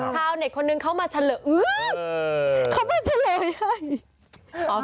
ข้าวเน็ตคนนึงเข้ามาเฉลยเข้ามาเฉลยให้